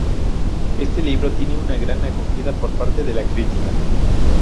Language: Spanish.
Este libro tiene una gran acogida por parte de la crítica.